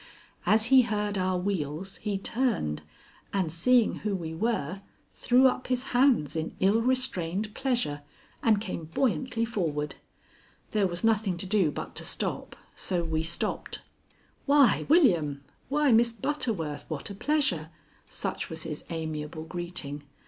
As he heard our wheels he turned, and seeing who we were, threw up his hands in ill restrained pleasure, and came buoyantly forward. There was nothing to do but to stop, so we stopped. "Why, William! Why, Miss Butterworth, what a pleasure!" Such was his amiable greeting.